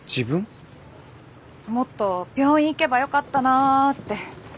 もっと病院行けばよかったなって。